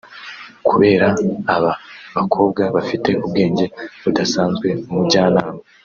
Kubera aba bakobwa bafite ubwenge budasanzwe umujyanama